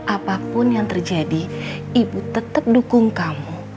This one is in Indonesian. apapun yang terjadi ibu tetap dukung kamu